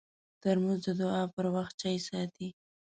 ترموز د دعا پر وخت چای ساتي.